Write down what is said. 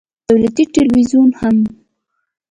دولتي ټلویزیون هم